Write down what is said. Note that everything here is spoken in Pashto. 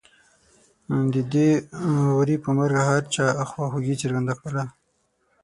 د دې وري په مرګ هر چا خواخوږي څرګنده کړله.